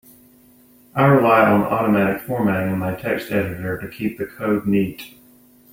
I rely on automatic formatting in my text editor to keep the code neat.